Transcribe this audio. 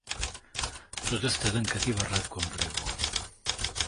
Tot està tancat i barrat, quan plego.